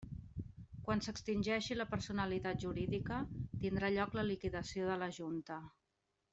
Quan s'extingeixi la personalitat jurídica, tindrà lloc la liquidació de la Junta.